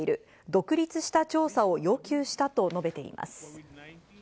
独立した調査を要求したと述べています。